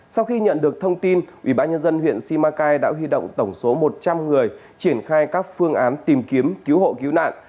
sau khi nhận được thông tin ubnd huyện simacai đã huy động tổng số một trăm linh người triển khai các phương án tìm kiếm cứu hộ cứu nạn